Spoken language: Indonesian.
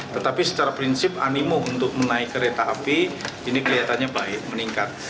tetapi secara prinsip animo untuk menaik kereta api ini kelihatannya baik meningkat